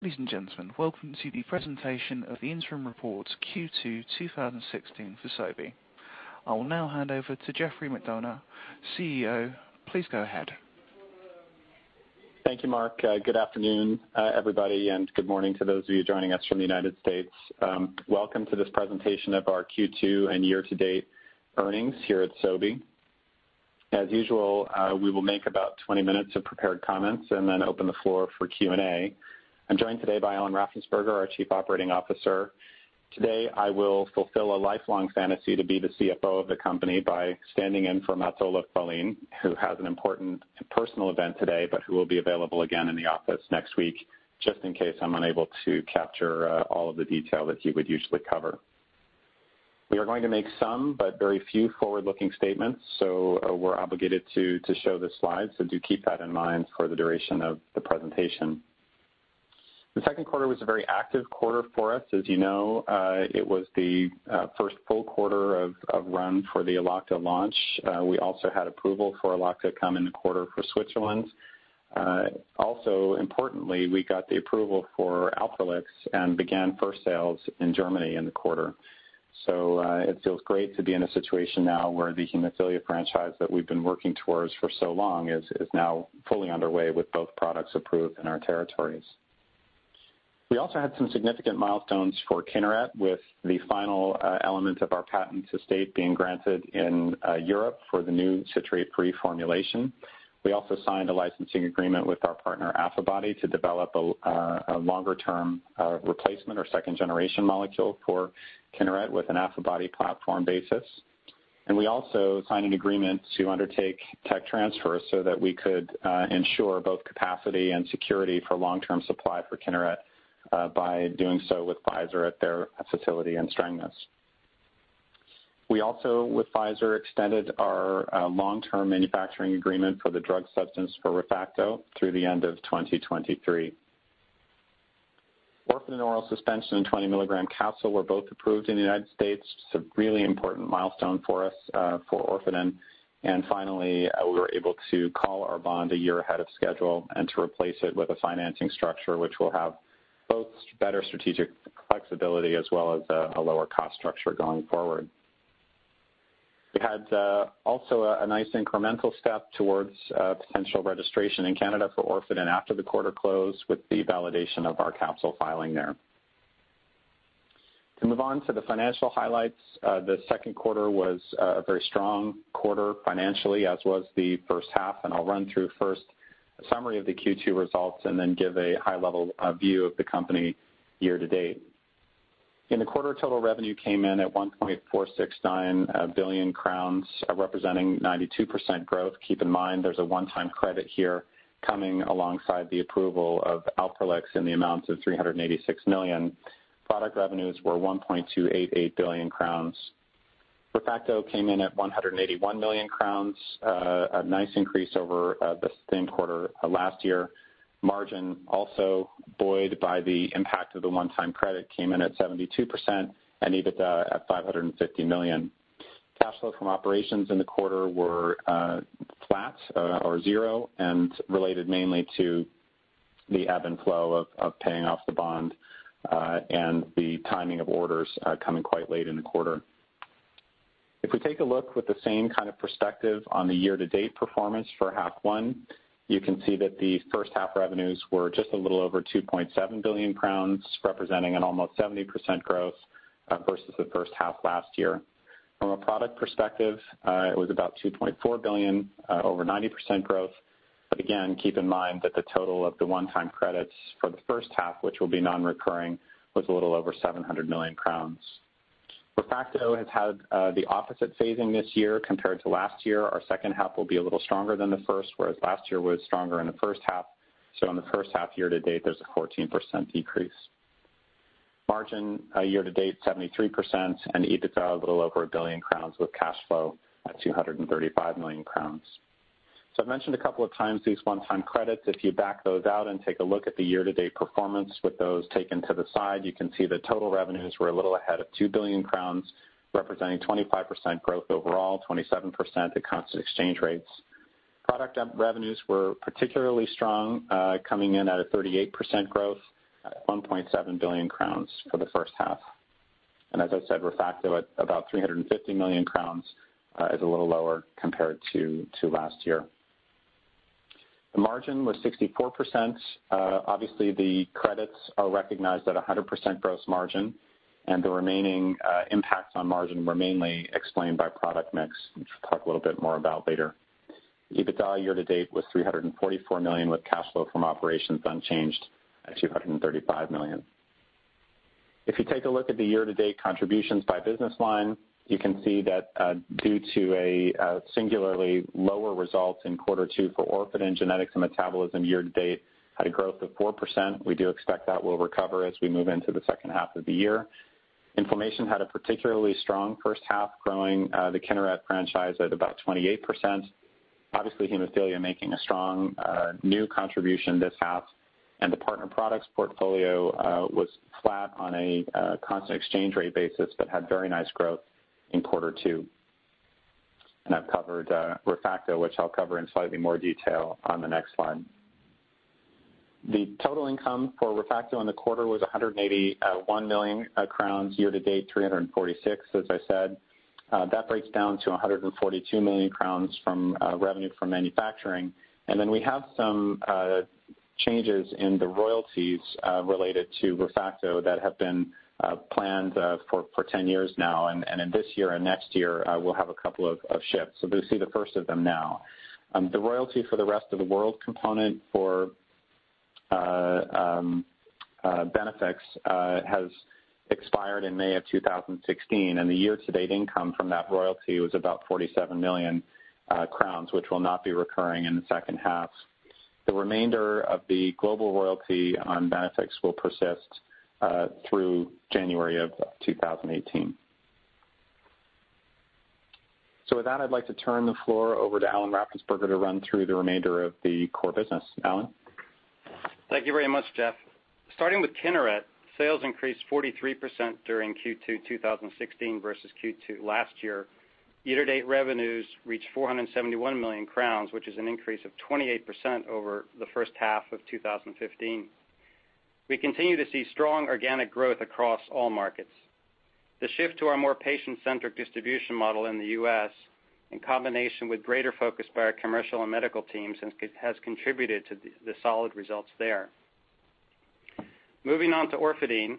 Ladies and gentlemen, welcome to the presentation of the interim report Q2 2016 for Sobi. I will now hand over to Geoffrey McDonough, CEO. Please go ahead. Thank you, Mark. Good afternoon, everybody, and good morning to those of you joining us from the U.S. Welcome to this presentation of our Q2 and year-to-date earnings here at Sobi. As usual, we will make about 20 minutes of prepared comments and then open the floor for Q&A. I'm joined today by Alan Raffensperger, our Chief Operating Officer. Today, I will fulfill a lifelong fantasy to be the CFO of the company by standing in for Mats-Olof Wallin, who has an important personal event today, but who will be available again in the office next week, just in case I'm unable to capture all of the detail that he would usually cover. We are going to make some, but very few, forward-looking statements. We're obligated to show the slides. Do keep that in mind for the duration of the presentation. The second quarter was a very active quarter for us. As you know, it was the first full quarter of run for the Elocta launch. We also had approval for Elocta come in the quarter for Switzerland. Importantly, we got the approval for Alprolix and began first sales in Germany in the quarter. It feels great to be in a situation now where the hemophilia franchise that we've been working towards for so long is now fully underway with both products approved in our territories. We also had some significant milestones for Kineret with the final element of our patent estate being granted in Europe for the new citrate pre-formulation. We also signed a licensing agreement with our partner, Affibody, to develop a longer-term replacement or second generation molecule for Kineret with an Affibody platform basis. We also signed an agreement to undertake tech transfer so that we could ensure both capacity and security for long-term supply for Kineret by doing so with Pfizer at their facility in Strängnäs. We also, with Pfizer, extended our long-term manufacturing agreement for the drug substance for ReFacto through the end of 2023. Orfadin oral suspension and 20 milligram capsule were both approved in the U.S. It's a really important milestone for us for Orfadin. Finally, we were able to call our bond a year ahead of schedule and to replace it with a financing structure, which will have both better strategic flexibility as well as a lower cost structure going forward. We had also a nice incremental step towards potential registration in Canada for Orfadin after the quarter close with the validation of our capsule filing there. To move on to the financial highlights, the second quarter was a very strong quarter financially, as was the first half. I'll run through first a summary of the Q2 results, then give a high-level view of the company year-to-date. In the quarter, total revenue came in at 1.469 billion crowns, representing 92% growth. Keep in mind there's a one-time credit here coming alongside the approval of Alprolix in the amount of 386 million. Product revenues were 1.288 billion crowns. ReFacto came in at 181 million crowns, a nice increase over the same quarter last year. Margin, also buoyed by the impact of the one-time credit, came in at 72%, and EBITDA at 550 million. Cash flow from operations in the quarter were flat or zero and related mainly to the ebb and flow of paying off the bond and the timing of orders coming quite late in the quarter. If we take a look with the same kind of perspective on the year-to-date performance for the first half, you can see that the first half revenues were just a little over 2.7 billion crowns, representing an almost 70% growth versus the first half last year. From a product perspective, it was about 2.4 billion, over 90% growth. Again, keep in mind that the total of the one-time credits for the first half, which will be non-recurring, was a little over 700 million crowns. ReFacto has had the opposite phasing this year compared to last year. Our second half will be a little stronger than the first, whereas last year was stronger in the first half. In the first half year-to-date, there's a 14% decrease. Margin year-to-date 73% and EBITDA a little over 1 billion crowns with cash flow at 235 million crowns. I've mentioned a couple of times these one-time credits. If you back those out and take a look at the year-to-date performance with those taken to the side, you can see the total revenues were a little ahead of 2 billion crowns, representing 25% growth overall, 27% at constant exchange rates. Product revenues were particularly strong, coming in at a 38% growth at 1.7 billion crowns for the first half. As I said, ReFacto at about 350 million crowns is a little lower compared to last year. The margin was 64%. Obviously, the credits are recognized at 100% gross margin. The remaining impacts on margin were mainly explained by product mix, which we'll talk a little bit more about later. EBITDA year-to-date was 344 million, with cash flow from operations unchanged at 235 million. If you take a look at the year-to-date contributions by business line, you can see that due to a singularly lower result in Q2 for Orfadin, genetics and metabolism year-to-date had a growth of 4%. We do expect that we'll recover as we move into the second half of the year. Inflammation had a particularly strong first half, growing the Kineret franchise at about 28%. Obviously, hemophilia making a strong new contribution this half. The partner products portfolio was flat on a constant exchange rate basis, but had very nice growth in Q2. I've covered ReFacto, which I'll cover in slightly more detail on the next slide. The total income for ReFacto in the quarter was 181 million crowns, year-to-date 346 million, as I said. That breaks down to 142 million crowns from revenue from manufacturing. We have some changes in the royalties related to ReFacto that have been planned for 10 years now. In this year and next year, we'll have a couple of shifts. We see the first of them now. The royalty for the rest of the world component for BeneFIX has expired in May of 2016, and the year-to-date income from that royalty was about 47 million crowns, which will not be recurring in the second half. The remainder of the global royalty on BeneFIX will persist through January of 2018. With that, I'd like to turn the floor over to Alan Raffensperger to run through the remainder of the core business. Alan? Thank you very much, Jeff. Starting with Kineret, sales increased 43% during Q2 2016 versus Q2 last year. Year-to-date revenues reached 471 million crowns, which is an increase of 28% over the first half of 2015. We continue to see strong organic growth across all markets. The shift to our more patient-centric distribution model in the U.S., in combination with greater focus by our commercial and medical teams has contributed to the solid results there. Moving on to Orfadin,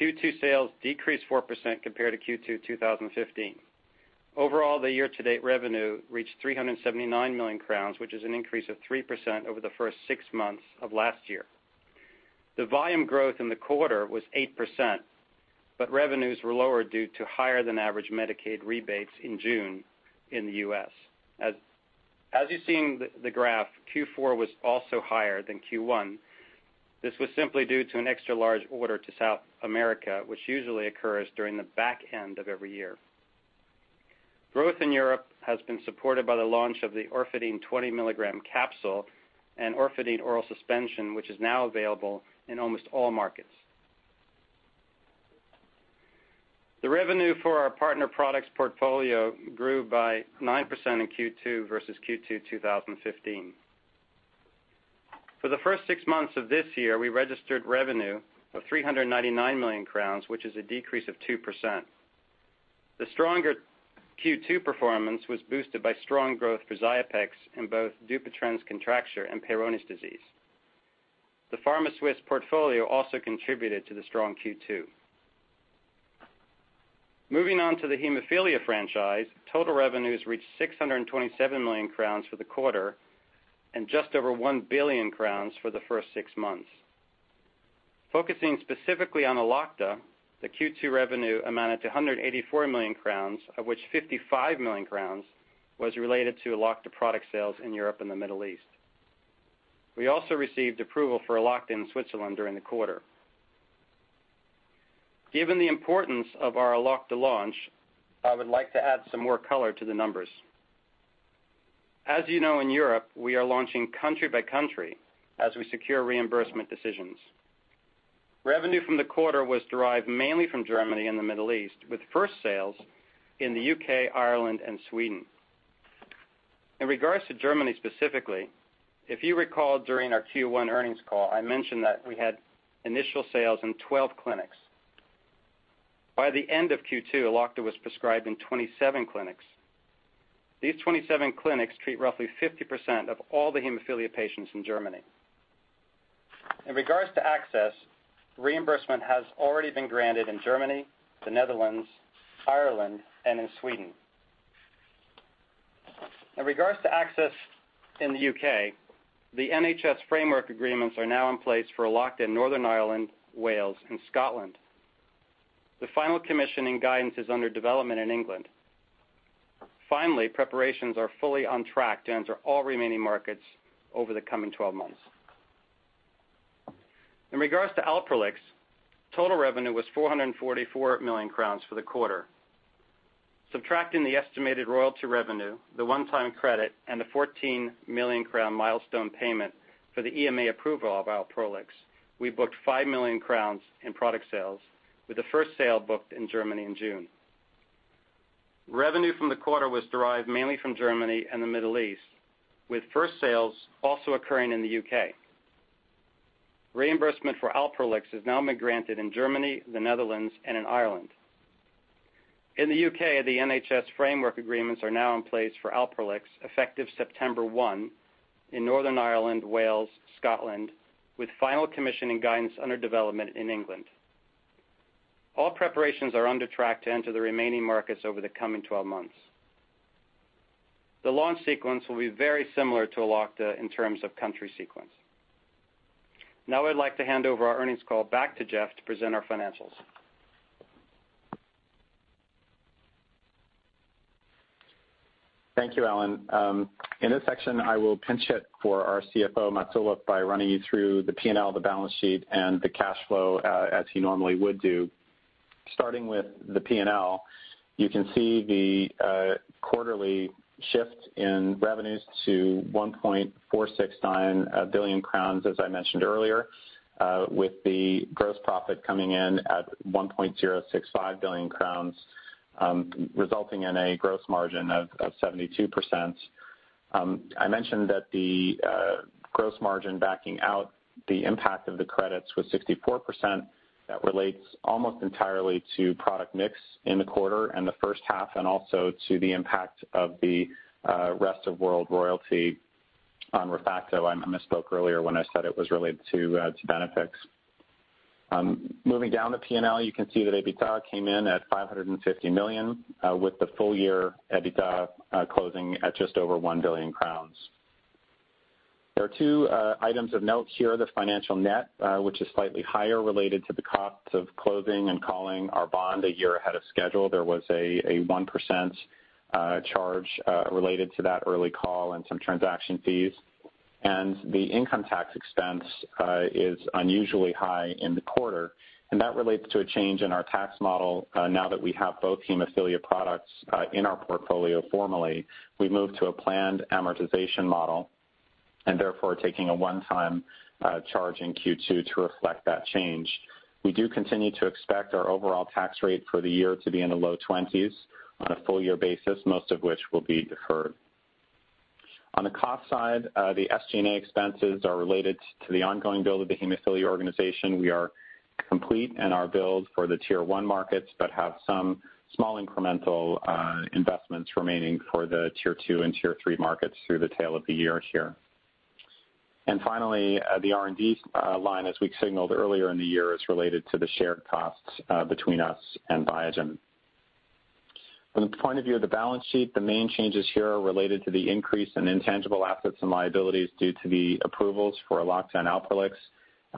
Q2 sales decreased 4% compared to Q2 2015. Overall, the year-to-date revenue reached 379 million crowns, which is an increase of 3% over the first six months of last year. The volume growth in the quarter was 8%, but revenues were lower due to higher than average Medicaid rebates in June in the U.S. As you see in the graph, Q4 was also higher than Q1. This was simply due to an extra large order to South America, which usually occurs during the back end of every year. Growth in Europe has been supported by the launch of the Orfadin 20 mg capsule and Orfadin oral suspension, which is now available in almost all markets. The revenue for our partner products portfolio grew by 9% in Q2 versus Q2 2015. For the first six months of this year, we registered revenue of 399 million crowns, which is a decrease of 2%. The stronger Q2 performance was boosted by strong growth for Xiapex in both Dupuytren's contracture and Peyronie's disease. The PharmaSwiss portfolio also contributed to the strong Q2. Moving on to the hemophilia franchise, total revenues reached 627 million crowns for the quarter and just over 1 billion crowns for the first six months. Focusing specifically on Elocta, the Q2 revenue amounted to 184 million crowns, of which 55 million crowns was related to Elocta product sales in Europe and the Middle East. We also received approval for Elocta in Switzerland during the quarter. Given the importance of our Elocta launch, I would like to add some more color to the numbers. As you know, in Europe, we are launching country by country as we secure reimbursement decisions. Revenue from the quarter was derived mainly from Germany and the Middle East, with first sales in the U.K., Ireland and Sweden. In regards to Germany specifically, if you recall, during our Q1 earnings call, I mentioned that we had initial sales in 12 clinics. By the end of Q2, Elocta was prescribed in 27 clinics. These 27 clinics treat roughly 50% of all the hemophilia patients in Germany. In regards to access, reimbursement has already been granted in Germany, the Netherlands, Ireland and in Sweden. In regards to access in the U.K., the NHS framework agreements are now in place for Elocta in Northern Ireland, Wales and Scotland. The final commissioning guidance is under development in England. Finally, preparations are fully on track to enter all remaining markets over the coming 12 months. In regards to Alprolix, total revenue was 444 million crowns for the quarter. Subtracting the estimated royalty revenue, the one-time credit, and the 14 million crown milestone payment for the EMA approval of Alprolix, we booked 5 million crowns in product sales, with the first sale booked in Germany in June. Revenue from the quarter was derived mainly from Germany and the Middle East, with first sales also occurring in the U.K. Reimbursement for Alprolix has now been granted in Germany, the Netherlands and in Ireland. In the U.K., the NHS framework agreements are now in place for Alprolix, effective September 1 in Northern Ireland, Wales, Scotland, with final commissioning guidance under development in England. All preparations are on track to enter the remaining markets over the coming 12 months. The launch sequence will be very similar to Elocta in terms of country sequence. Now I'd like to hand over our earnings call back to Jeff to present our financials. Thank you, Alan. In this section, I will pinch hit for our CFO, Mats-Olof Wallin, by running you through the P&L, the balance sheet and the cash flow as he normally would do. Starting with the P&L, you can see the quarterly Shift in revenues to 1.469 billion crowns, as I mentioned earlier, with the gross profit coming in at 1.065 billion crowns, resulting in a gross margin of 72%. I mentioned that the gross margin backing out the impact of the credits was 64%. That relates almost entirely to product mix in the quarter and the first half, and also to the impact of the rest of world royalty on ReFacto. I misspoke earlier when I said it was related to BeneFIX. Moving down the P&L, you can see that EBITDA came in at 550 million, with the full-year EBITDA closing at just over 1 billion crowns. There are two items of note here. The financial net, which is slightly higher related to the cost of closing and calling our bond a year ahead of schedule. There was a 1% charge related to that early call and some transaction fees. The income tax expense is unusually high in the quarter. That relates to a change in our tax model now that we have both hemophilia products in our portfolio formally. We moved to a planned amortization model and therefore taking a one-time charge in Q2 to reflect that change. We do continue to expect our overall tax rate for the year to be in the low 20s on a full-year basis, most of which will be deferred. On the cost side, the SG&A expenses are related to the ongoing build of the hemophilia organization. We are complete in our build for the tier 1 markets, but have some small incremental investments remaining for the tier 2 and tier 3 markets through the tail of the year here. Finally, the R&D line, as we signaled earlier in the year, is related to the shared costs between us and Biogen. From the point of view of the balance sheet, the main changes here are related to the increase in intangible assets and liabilities due to the approvals for Elocta and Alprolix.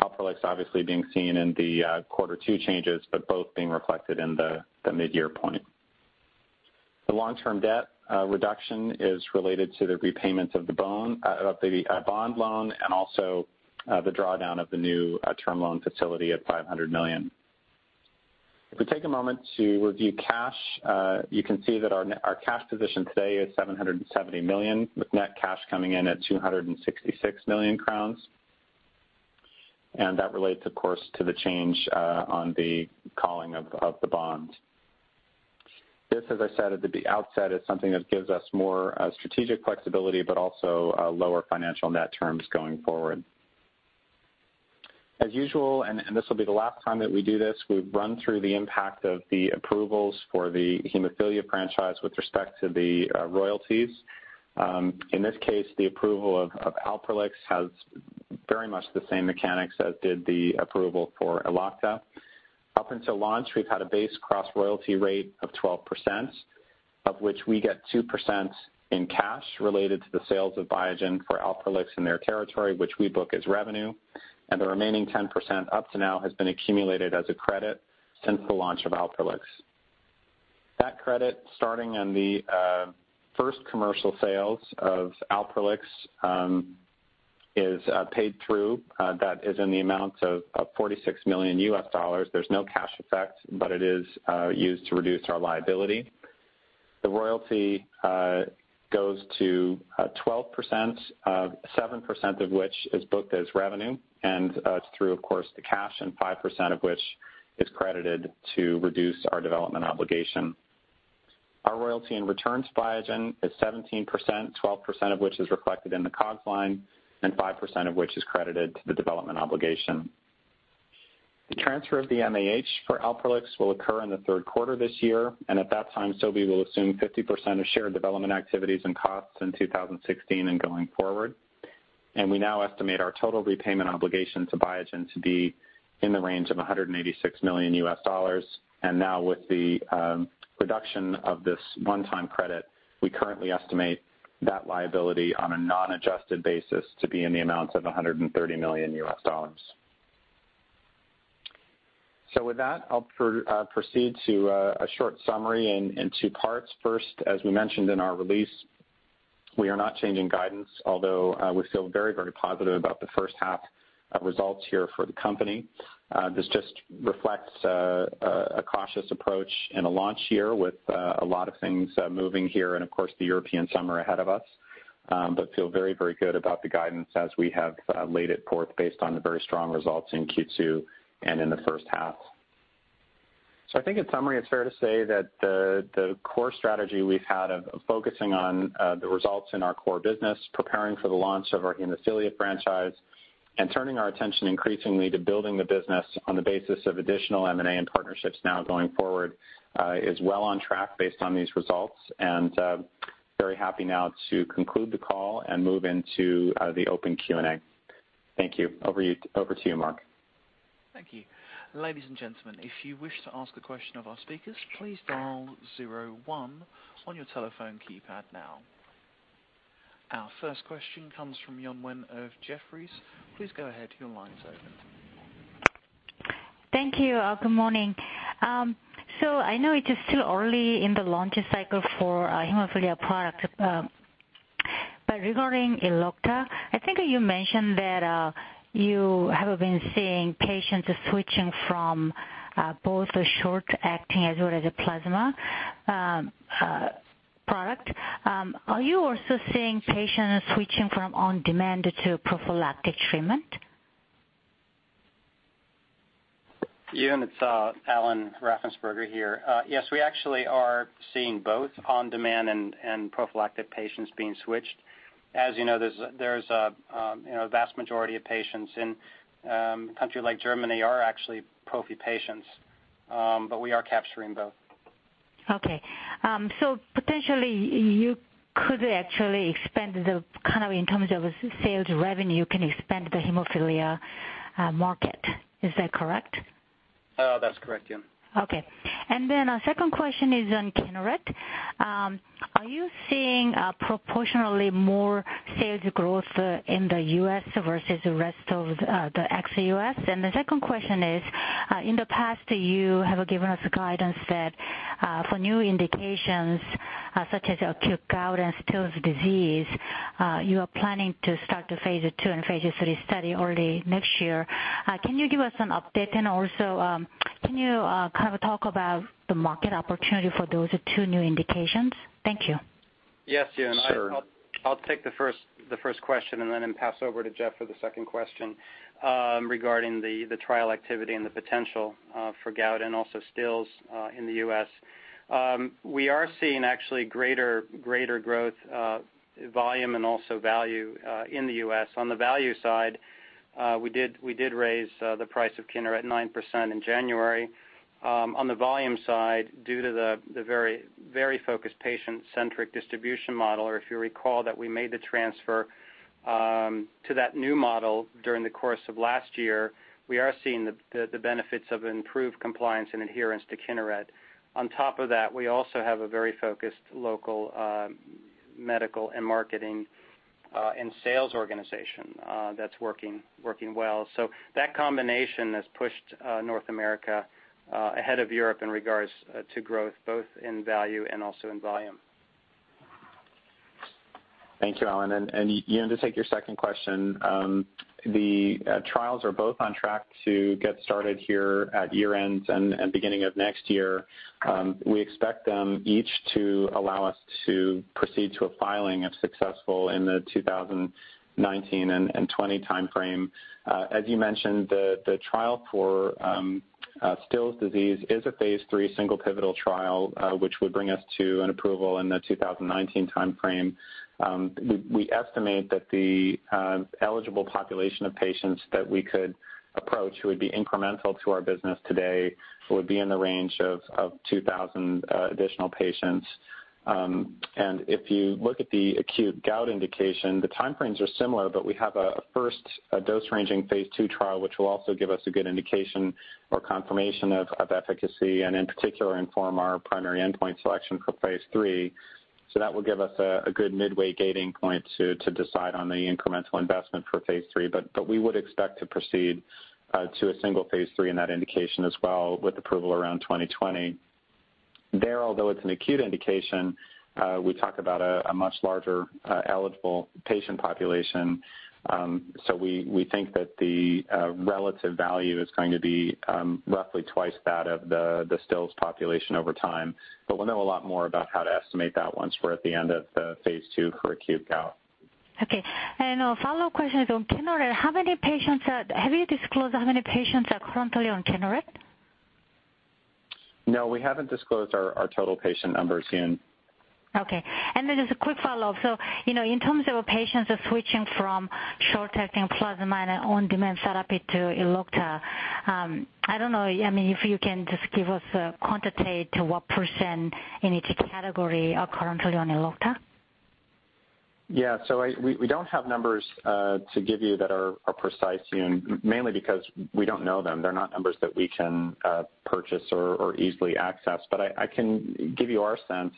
Alprolix obviously being seen in the Q2 changes, but both being reflected in the mid-year point. The long-term debt reduction is related to the repayments of the bond loan and also the drawdown of the new term loan facility of 500 million. If we take a moment to review cash, you can see that our cash position today is 770 million, with net cash coming in at 266 million crowns. That relates, of course, to the change on the calling of the bond. This, as I said at the outset, is something that gives us more strategic flexibility, but also lower financial net terms going forward. As usual, and this will be the last time that we do this, we've run through the impact of the approvals for the hemophilia franchise with respect to the royalties. In this case, the approval of Alprolix has very much the same mechanics as did the approval for Elocta. Up until launch, we've had a base cross royalty rate of 12%, of which we get 2% in cash related to the sales of Biogen for Alprolix in their territory, which we book as revenue, and the remaining 10% up to now has been accumulated as a credit since the launch of Alprolix. That credit, starting on the first commercial sales of Alprolix, is paid through. That is in the amount of 46 million US dollars. There's no cash effect, but it is used to reduce our liability. The royalty goes to 12%, 7% of which is booked as revenue and through, of course, the cash, and 5% of which is credited to reduce our development obligation. Our royalty in returns Biogen is 17%, 12% of which is reflected in the COGS line and 5% of which is credited to the development obligation. The transfer of the MAH for Alprolix will occur in the third quarter this year. At that time, Sobi will assume 50% of shared development activities and costs in 2016 and going forward. We now estimate our total repayment obligation to Biogen to be in the range of $186 million. Now with the reduction of this one-time credit, we currently estimate that liability on a non-adjusted basis to be in the amount of $130 million. With that, I'll proceed to a short summary in two parts. First, as we mentioned in our release, we are not changing guidance, although we feel very, very positive about the first half of results here for the company. This just reflects a cautious approach in a launch year with a lot of things moving here and, of course, the European summer ahead of us. Feel very, very good about the guidance as we have laid it forth based on the very strong results in Q2 and in the first half. I think in summary, it's fair to say that the core strategy we've had of focusing on the results in our core business, preparing for the launch of our hemophilia franchise, and turning our attention increasingly to building the business on the basis of additional M&A and partnerships now going forward, is well on track based on these results. Very happy now to conclude the call and move into the open Q&A. Thank you. Over to you, Mark. Thank you. Ladies and gentlemen, if you wish to ask a question of our speakers, please dial zero one on your telephone keypad now. Our first question comes from Eun Won of Jefferies. Please go ahead, your line's open. Thank you. Good morning. I know it is still early in the launch cycle for hemophilia product Regarding Elocta, I think you mentioned that you have been seeing patients switching from both short-acting as well as a plasma product. Are you also seeing patients switching from on-demand to prophylactic treatment? Eun, it's Alan Raffensperger here. Yes, we actually are seeing both on-demand and prophylactic patients being switched. As you know, there's a vast majority of patients in a country like Germany are actually prophy patients, but we are capturing both. Okay. Potentially you could actually expand the, kind of in terms of sales revenue, you can expand the hemophilia market. Is that correct? That's correct, Eun. Okay. A second question is on Kineret. Are you seeing proportionally more sales growth in the U.S. versus the rest of the ex-U.S.? The second question is, in the past, you have given us guidance that for new indications such as acute gout and Still's disease, you are planning to start the phase II and phase III study early next year. Can you give us an update? Also, can you kind of talk about the market opportunity for those two new indications? Thank you. Yes, Eun. Sure. I'll take the first question and then pass over to Jeff for the second question regarding the trial activity and the potential for gout and also Still's in the U.S. We are seeing actually greater growth volume and also value in the U.S. On the value side, we did raise the price of Kineret 9% in January. On the volume side, due to the very focused patient-centric distribution model or if you recall that we made the transfer to that new model during the course of last year, we are seeing the benefits of improved compliance and adherence to Kineret. On top of that, we also have a very focused local medical and marketing and sales organization that's working well. That combination has pushed North America ahead of Europe in regards to growth, both in value and also in volume. Thank you, Alan. Eun, to take your second question, the trials are both on track to get started here at year end and beginning of next year. We expect them each to allow us to proceed to a filing, if successful, in the 2019 and 2020 timeframe. As you mentioned, the trial for Still's disease is a phase III single pivotal trial, which would bring us to an approval in the 2019 timeframe. We estimate that the eligible population of patients that we could approach who would be incremental to our business today would be in the range of 2,000 additional patients. If you look at the acute gout indication, the timeframes are similar, but we have a first dose ranging phase II trial, which will also give us a good indication or confirmation of efficacy and in particular inform our primary endpoint selection for phase III. That will give us a good midway gating point to decide on the incremental investment for phase III. We would expect to proceed to a single phase III in that indication as well with approval around 2020. There, although it's an acute indication, we talk about a much larger eligible patient population. We think that the relative value is going to be roughly twice that of the Still's population over time. We'll know a lot more about how to estimate that once we're at the end of the phase II for acute gout. A follow-up question is on Kineret. Have you disclosed how many patients are currently on Kineret? No, we haven't disclosed our total patient numbers, Eun. Just a quick follow-up. In terms of patients switching from short-acting plasma minor on-demand therapy to Elocta, I don't know if you can just give us a quantitative to what % in each category are currently on Elocta? We don't have numbers to give you that are precise, Eun, mainly because we don't know them. They're not numbers that we can purchase or easily access. I can give you our sense.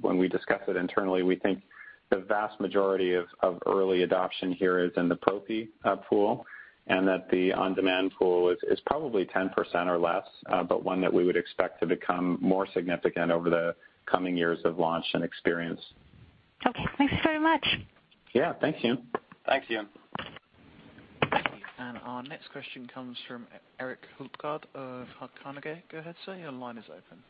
When we discuss it internally, we think the vast majority of early adoption here is in the prophy pool, and that the on-demand pool is probably 10% or less, but one that we would expect to become more significant over the coming years of launch and experience. Okay. Thanks very much. Thanks, Eun. Thanks, Eun. Our next question comes from Erik Hultgård of Carnegie. Go ahead, sir. Your line is open.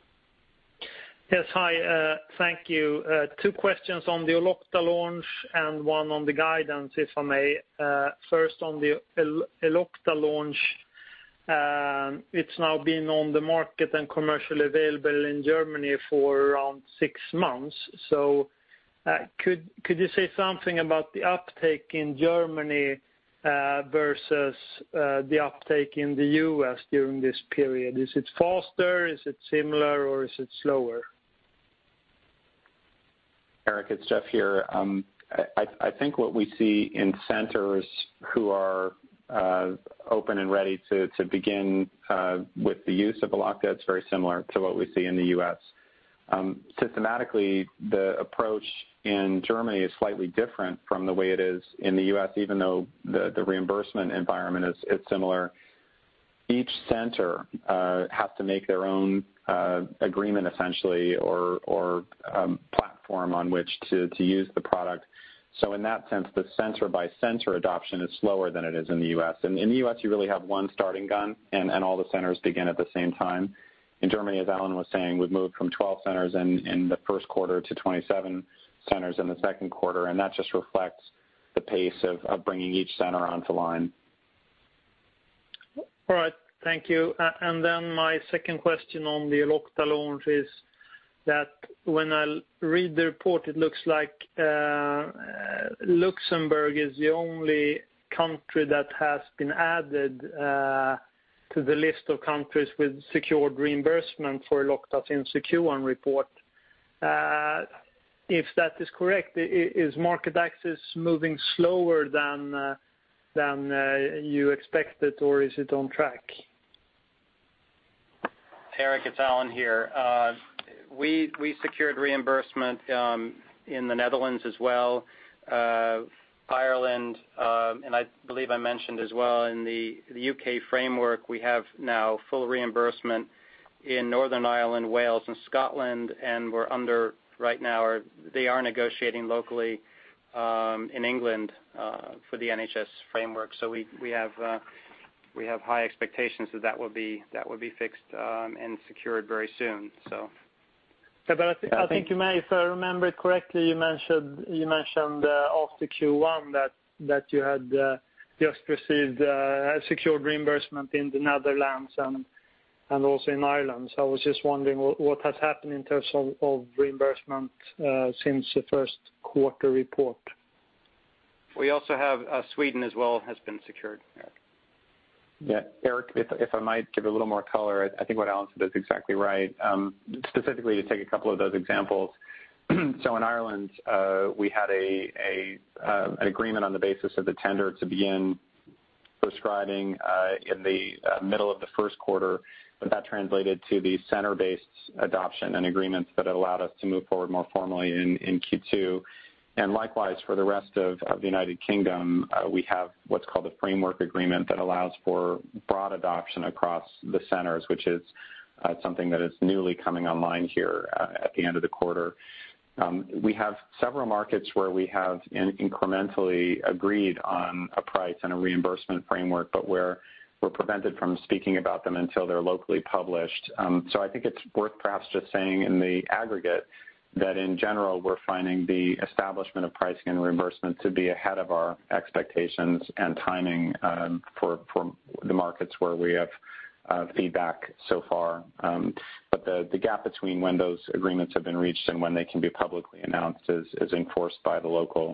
Yes. Hi. Thank you. Two questions on the Elocta launch and one on the guidance, if I may. First on the Elocta launch. It's now been on the market and commercially available in Germany for around six months. Could you say something about the uptake in Germany versus the uptake in the U.S. during this period? Is it faster, is it similar, or is it slower? Erik, it's Jeff here. I think what we see in centers who are open and ready to begin with the use of Elocta, it's very similar to what we see in the U.S. Systematically, the approach in Germany is slightly different from the way it is in the U.S., even though the reimbursement environment is similar. Each center has to make their own agreement essentially or platform on which to use the product. In that sense, the center by center adoption is slower than it is in the U.S. In the U.S., you really have one starting gun and all the centers begin at the same time. In Germany, as Alan was saying, we've moved from 12 centers in the first quarter to 27 centers in the second quarter, that just reflects the pace of bringing each center onto line. All right, thank you. My second question on the Elocta launch is that when I read the report, it looks like Luxembourg is the only country that has been added to the list of countries with secured reimbursement for Elocta that's in Q1 report. If that is correct, is market access moving slower than you expected, or is it on track? Erik, it's Alan here. We secured reimbursement in the Netherlands as well, Ireland. I believe I mentioned as well in the U.K. framework, we have now full reimbursement in Northern Ireland, Wales and Scotland. They are negotiating locally, in England, for the NHS framework. We have high expectations that that will be fixed and secured very soon. I think you may, if I remember correctly, you mentioned off the Q1 that you had just received a secured reimbursement in the Netherlands and also in Ireland. I was just wondering what has happened in terms of reimbursement since the first quarter report. We also have Sweden as well has been secured, Erik. Erik, if I might give a little more color, I think what Alan said is exactly right, specifically to take a couple of those examples. In Ireland, we had an agreement on the basis of the tender to begin prescribing in the middle of the first quarter, but that translated to the center-based adoption and agreements that allowed us to move forward more formally in Q2. Likewise, for the rest of the U.K., we have what's called a framework agreement that allows for broad adoption across the centers, which is something that is newly coming online here at the end of the quarter. We have several markets where we have incrementally agreed on a price and a reimbursement framework, but we're prevented from speaking about them until they're locally published. I think it's worth perhaps just saying in the aggregate that in general we're finding the establishment of pricing and reimbursement to be ahead of our expectations and timing for the markets where we have feedback so far. The gap between when those agreements have been reached and when they can be publicly announced is enforced by the local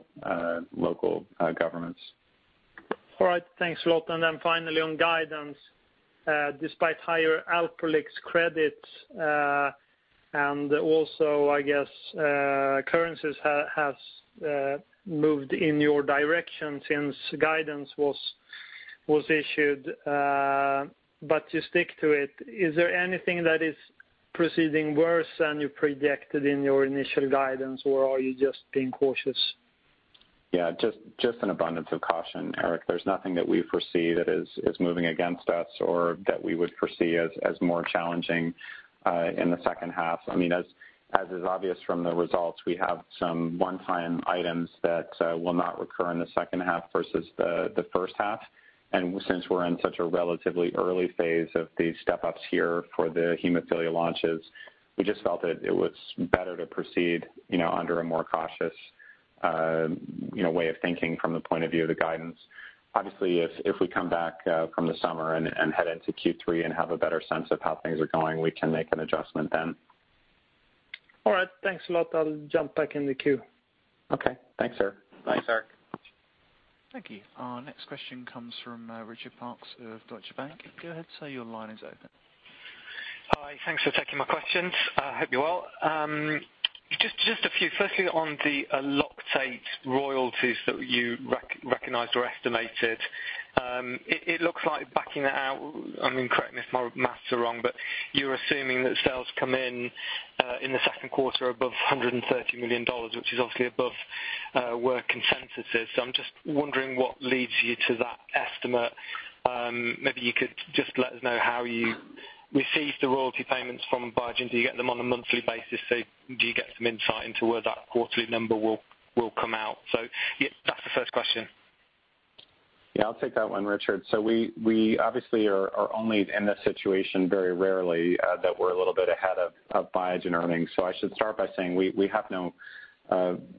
governments. All right, thanks a lot. Then finally on guidance, despite higher Alprolix credits, also I guess, currencies has moved in your direction since guidance was issued, you stick to it. Is there anything that is proceeding worse than you predicted in your initial guidance or are you just being cautious? Yeah, just an abundance of caution, Erik. There's nothing that we foresee that is moving against us or that we would foresee as more challenging in the second half. As is obvious from the results, we have some one-time items that will not recur in the second half versus the first half. Since we're in such a relatively early phase of the step-ups here for the hemophilia launches, we just felt that it was better to proceed under a more cautious way of thinking from the point of view of the guidance. Obviously, if we come back from the summer and head into Q3 and have a better sense of how things are going, we can make an adjustment then. All right, thanks a lot. I'll jump back in the queue. Okay. Thanks, Erik. Thanks Erik. Thank you. Our next question comes from Richard Parkes of Deutsche Bank. Go ahead, sir, your line is open. Hi. Thanks for taking my questions. I hope you're well. Just a few. Firstly, on the ELOCTATE royalties that you recognized or estimated. It looks like backing that out, and correct me if my math are wrong, but you're assuming that sales come in in the second quarter above SEK 130 million, which is obviously above where consensus is. I'm just wondering what leads you to that estimate. Maybe you could just let us know how you received the royalty payments from Biogen. Do you get them on a monthly basis? Do you get some insight into where that quarterly number will come out? That's the first question. I'll take that one, Richard. We obviously are only in this situation very rarely, that we're a little bit ahead of Biogen earnings. I should start by saying we have no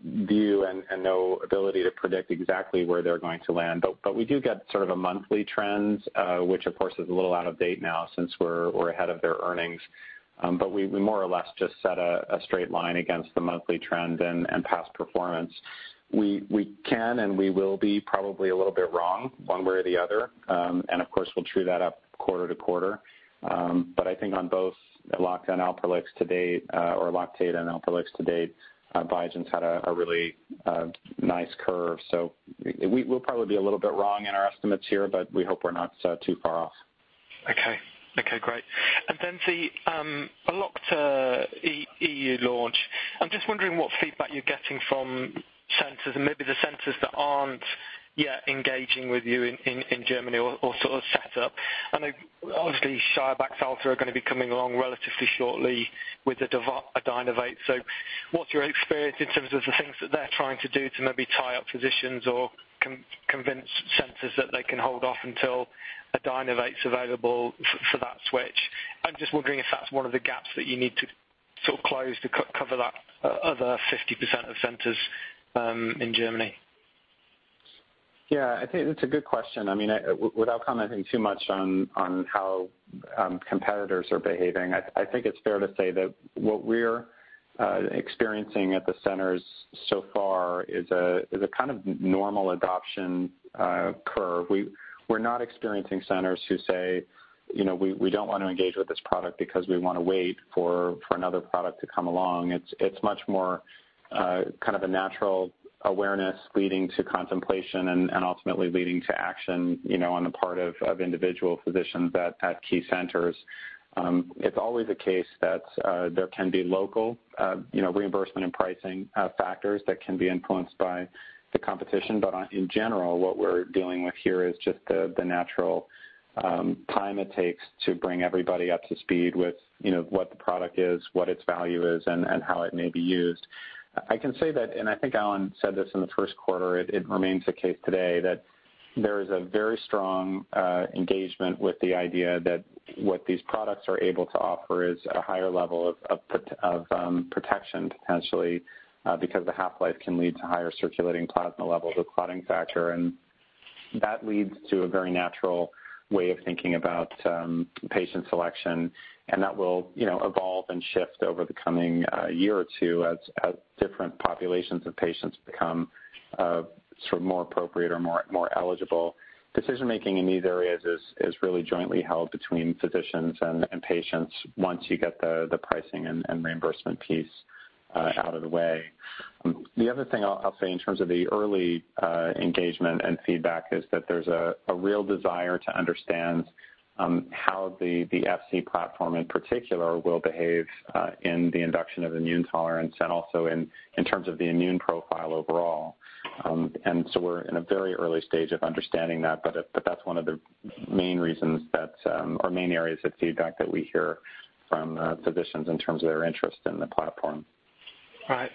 view and no ability to predict exactly where they're going to land. We do get sort of a monthly trend, which of course is a little out of date now since we're ahead of their earnings. We more or less just set a straight line against the monthly trend and past performance. We can and we will be probably a little bit wrong one way or the other. Of course, we'll true that up quarter to quarter. I think on both Elocta and Alprolix to date, Biogen's had a really nice curve. We'll probably be a little bit wrong in our estimates here, but we hope we're not too far off. Okay, great. The Elocta EU launch. I'm just wondering what feedback you're getting from centers, and maybe the centers that aren't yet engaging with you in Germany or sort of set up. I know obviously Shire Baxalta are going to be coming along relatively shortly with ADYNOVATE. What's your experience in terms of the things that they're trying to do to maybe tie up physicians or convince centers that they can hold off until ADYNOVATE's available for that switch? I'm just wondering if that's one of the gaps that you need to close to cover that other 50% of centers in Germany. I think that's a good question. Without commenting too much on how competitors are behaving, I think it's fair to say that what we're experiencing at the centers so far is a kind of normal adoption curve. We're not experiencing centers who say, "We don't want to engage with this product because we want to wait for another product to come along." It's much more kind of a natural awareness leading to contemplation and ultimately leading to action on the part of individual physicians at key centers. It's always the case that there can be local reimbursement and pricing factors that can be influenced by the competition. In general, what we're dealing with here is just the natural time it takes to bring everybody up to speed with what the product is, what its value is, and how it may be used. I can say that, and I think Alan said this in the first quarter, it remains the case today that there is a very strong engagement with the idea that what these products are able to offer is a higher level of protection, potentially because the half-life can lead to higher circulating plasma levels of clotting factor. That leads to a very natural way of thinking about patient selection, and that will evolve and shift over the coming year or two as different populations of patients become more appropriate or more eligible. Decision-making in these areas is really jointly held between physicians and patients, once you get the pricing and reimbursement piece out of the way. The other thing I'll say in terms of the early engagement and feedback is that there's a real desire to understand how the Fc platform in particular will behave in the induction of immune tolerance and also in terms of the immune profile overall. We're in a very early stage of understanding that, but that's one of the main areas of feedback that we hear from physicians in terms of their interest in the platform. Right.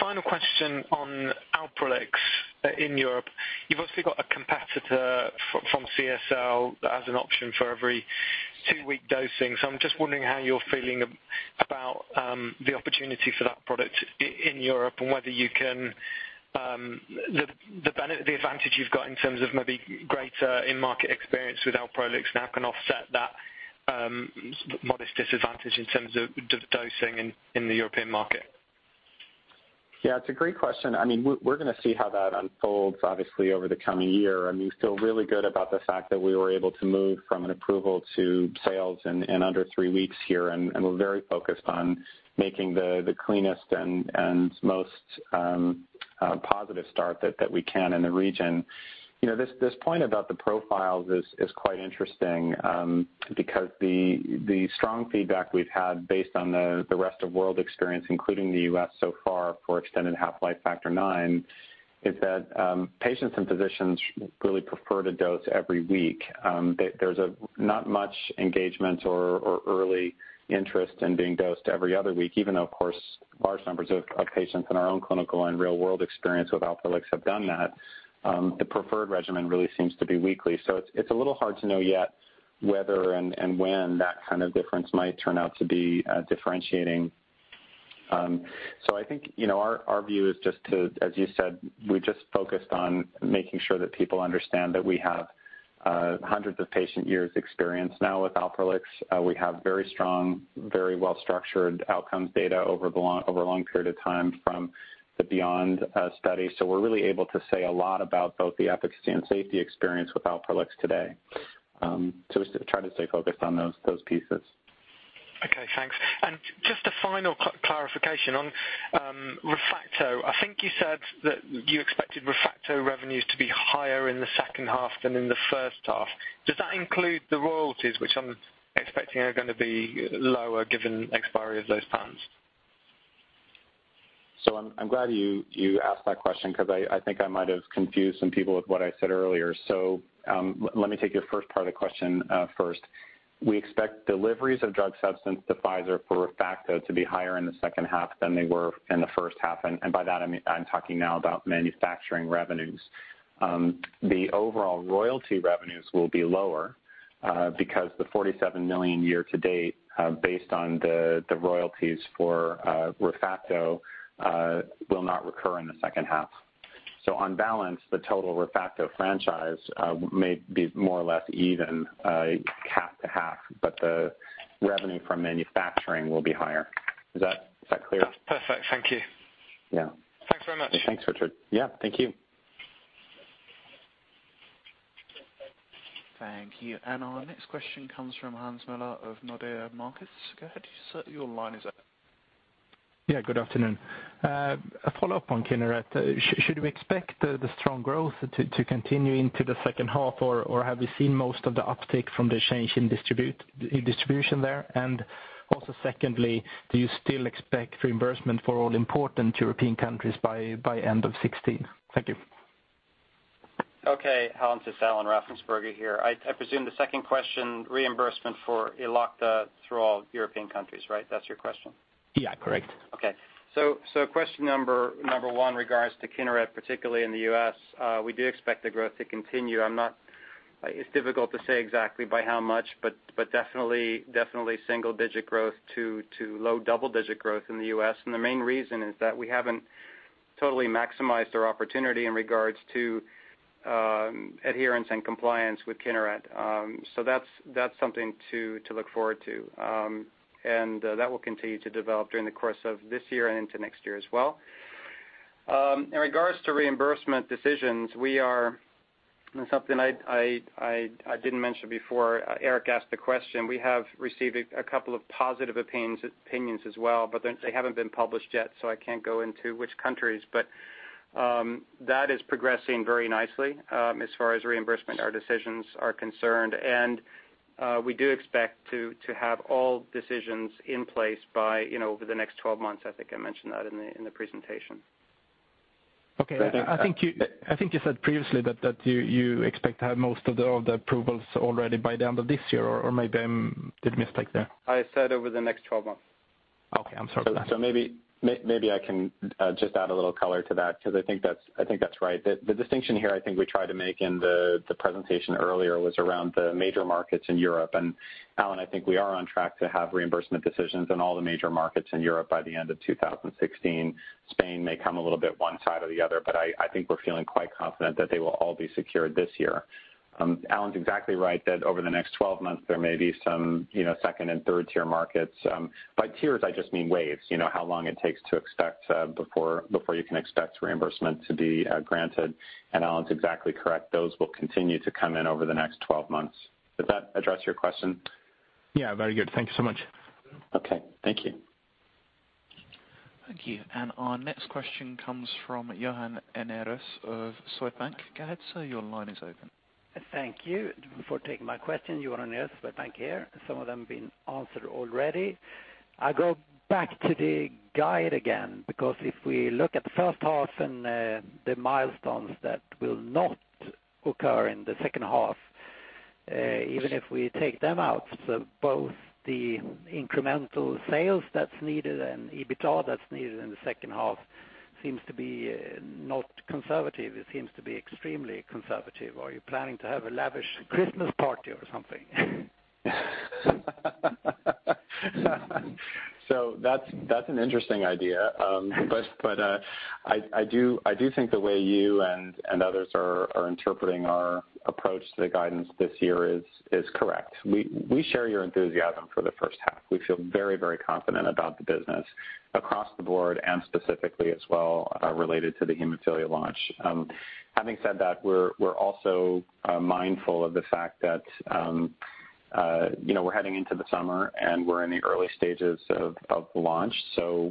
Final question on Alprolix in Europe. You've obviously got a competitor from CSL that has an option for every two-week dosing. I'm just wondering how you're feeling about the opportunity for that product in Europe and whether the advantage you've got in terms of maybe greater in-market experience with Alprolix now can offset that modest disadvantage in terms of dosing in the European market. Yeah, it's a great question. We're going to see how that unfolds, obviously, over the coming year. We feel really good about the fact that we were able to move from an approval to sales in under three weeks here, and we're very focused on making the cleanest and most positive start that we can in the region. This point about the profiles is quite interesting. Because the strong feedback we've had based on the rest of world experience, including the U.S. so far for extended half-life factor IX, is that patients and physicians really prefer to dose every week. There's not much engagement or early interest in being dosed every other week, even though, of course, large numbers of patients in our own clinical and real-world experience with Alprolix have done that. The preferred regimen really seems to be weekly. It's a little hard to know yet whether and when that kind of difference might turn out to be differentiating. I think, our view is just to, as you said, we're just focused on making sure that people understand that we have hundreds of patient years experience now with Alprolix. We have very strong, very well-structured outcomes data over a long period of time from the B-YOND study. We're really able to say a lot about both the efficacy and safety experience with Alprolix today. We try to stay focused on those pieces. Okay, thanks. Just a final clarification on Refacto. I think you said that you expected Refacto revenues to be higher in the second half than in the first half. Does that include the royalties, which I'm expecting are going to be lower given expiry of those patents? I'm glad you asked that question because I think I might have confused some people with what I said earlier. Let me take your first part of the question first. We expect deliveries of drug substance to Pfizer for Refacto to be higher in the second half than they were in the first half, and by that, I'm talking now about manufacturing revenues. The overall royalty revenues will be lower because the 47 million year to date based on the royalties for Refacto will not recur in the second half. On balance, the total Refacto franchise may be more or less even half to half, but the revenue from manufacturing will be higher. Is that clear? That's perfect. Thank you. Yeah. Thanks very much. Thanks, Richard. Yeah. Thank you. Thank you. Our next question comes from Hans Muller of Nordea Markets. Go ahead, sir. Your line is open. Good afternoon. A follow-up on Kineret. Should we expect the strong growth to continue into the second half, or have we seen most of the uptick from the change in distribution there? Also secondly, do you still expect reimbursement for all important European countries by end of 2016? Thank you. Okay, Hans. It's Alan Raffensperger here. I presume the second question, reimbursement for Elocta through all European countries, right? That's your question. Yeah. Correct. Okay. Question number one regards to Kineret, particularly in the U.S., we do expect the growth to continue. It's difficult to say exactly by how much, but definitely single digit growth to low double digit growth in the U.S., and the main reason is that we haven't totally maximized our opportunity in regards to adherence and compliance with Kineret. That's something to look forward to. That will continue to develop during the course of this year and into next year as well. In regards to reimbursement decisions, and something I didn't mention before Erik asked the question, we have received a couple of positive opinions as well, but they haven't been published yet, so I can't go into which countries. That is progressing very nicely as far as reimbursement or decisions are concerned. We do expect to have all decisions in place over the next 12 months. I think I mentioned that in the presentation. Okay. I think you said previously that you expect to have most of the approvals already by the end of this year, or maybe I did mistake there. I said over the next 12 months. Okay. I'm sorry for that. Maybe I can just add a little color to that because I think that's right. The distinction here I think we tried to make in the presentation earlier was around the major markets in Europe. Alan, I think we are on track to have reimbursement decisions in all the major markets in Europe by the end of 2016. Spain may come a little bit one side or the other, I think we're feeling quite confident that they will all be secured this year. Alan's exactly right that over the next 12 months, there may be some second and third tier markets. By tiers, I just mean waves. How long it takes to expect before you can expect reimbursement to be granted. Alan's exactly correct. Those will continue to come in over the next 12 months. Does that address your question? Yeah. Very good. Thank you so much. Okay. Thank you. Thank you. Our next question comes from Johan Enärus of Swedbank. Go ahead, sir. Your line is open. Thank you for taking my question. Johan Enärus, Swedbank here. Some of them been answered already. I go back to the guide again because if we look at the first half and the milestones that will not occur in the second half, even if we take them out, both the incremental sales that's needed and EBITDA that's needed in the second half seems to be not conservative. It seems to be extremely conservative. Are you planning to have a lavish Christmas party or something? That's an interesting idea. I do think the way you and others are interpreting our approach to the guidance this year is correct. We share your enthusiasm for the first half. We feel very confident about the business across the board and specifically as well related to the hemophilia launch. Having said that, we're also mindful of the fact that we're heading into the summer, and we're in the early stages of the launch.